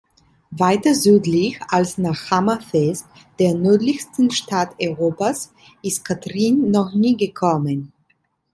Weiter südlich als nach Hammerfest, der nördlichsten Stadt Europas, ist Kathrine noch nie gekommen.